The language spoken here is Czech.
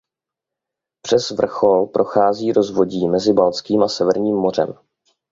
Přes vrchol prochází rozvodí mezi Baltským a Severním mořem.